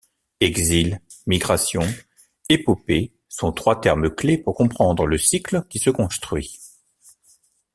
Exils, migration, épopée sont trois termes-clés pour comprendre le cycle qui se construit.